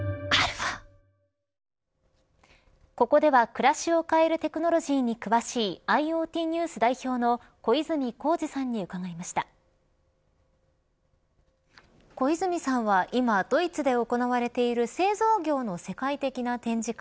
ここでは暮らしを変えるテクノロジーに詳しいＩｏＴＮＥＷＳ代表の小泉耕二さんに伺いました小泉さんは今ドイツで行われている製造業の世界的な展示会